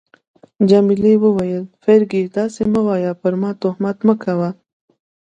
جميلې وويل: فرګي، داسي مه وایه، پر ما تهمت مه کوه.